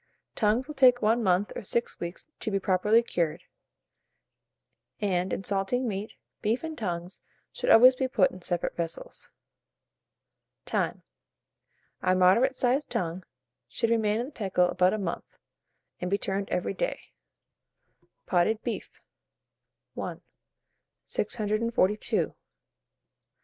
Tongues will take 1 month or 6 weeks to be properly cured; and, in salting meat, beef and tongues should always be put in separate vessels. Time. A moderate sized tongue should remain in the pickle about a month, and be turned every day. [Illustration: POTTING JAR.] POTTED BEEF. I. 642.